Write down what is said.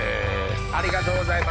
ありがとうございます。